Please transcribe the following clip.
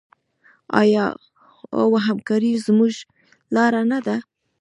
آیا او همکاري زموږ لاره نه ده؟